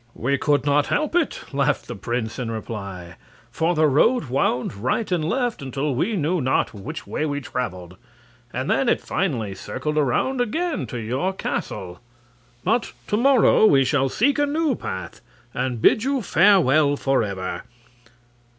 "We could not help it," laughed the prince, in reply; "for the road wound right and left until we knew not which way we traveled; and then it finally circled around again to your castle. But to morrow we shall seek a new path and bid you farewell forever."